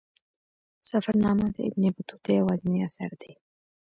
سفرنامه د ابن بطوطه یوازینی اثر دی.